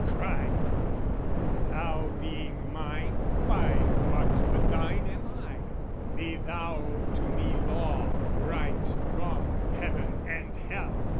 Cried "Thou being mine, why, what but thine am I? "Be thou to me law, right, wrong, heaven and hell!